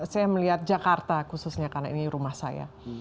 saya melihat jakarta khususnya karena ini rumah saya